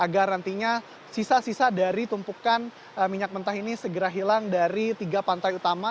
dan nantinya sisa sisa dari tumpukan minyak mentah ini segera hilang dari tiga pantai utama